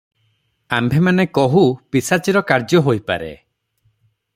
ଆମ୍ଭେମାନେ କହୁ, ପିଶାଚୀର କାର୍ଯ୍ୟ ହୋଇପାରେ ।